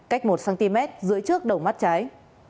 cách một cm giữa trước đầu mắt trái